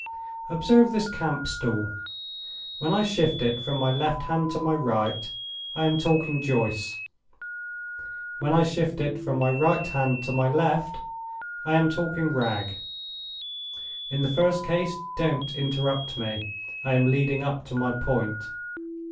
Observe this camp stool. When I shift it from my left hand to my right, I am talking Joyce. When I shift it from my right hand to my left, I am talking Wragge. In the first case, don't interrupt me—I am leading up to my point.